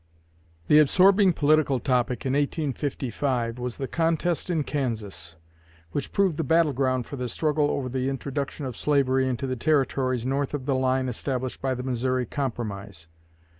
'" The absorbing political topic in 1855 was the contest in Kansas, which proved the battle ground for the struggle over the introduction of slavery into the territories north of the line established by the "Missouri Compromise."